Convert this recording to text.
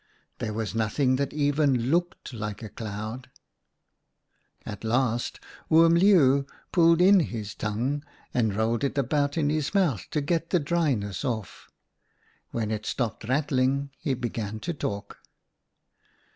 There was nothing that even looked like a cloud. " At last Oom Leeuw pulled in his tongue and rolled it about in his mouth to get the dryness off. When it stopped rattling, he began to talk.